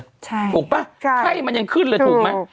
ใช่ถูกป่ะไข้มันยังขึ้นเลยถูกไหม